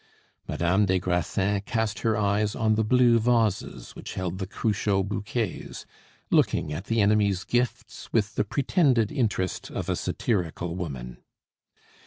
Madame des Grassins cast her eyes on the blue vases which held the Cruchot bouquets, looking at the enemy's gifts with the pretended interest of a satirical woman.